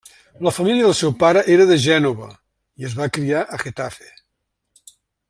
La família del seu pare era de Gènova i es va criar a Getafe.